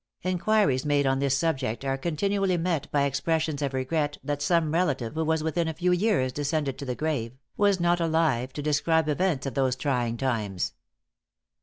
Enquiries made on this subject are continually met by expressions of regret that some relative who has within a few years descended to the grave, was not alive to describe events of those trying times.